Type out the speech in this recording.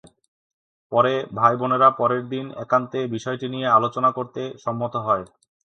পরে ভাই-বোনেরা পরের দিন একান্তে বিষয়টি নিয়ে আলোচনা করতে সম্মত হয়।